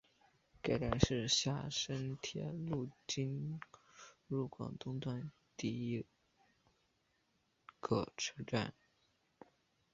该站是厦深铁路进入广东段第一个车站。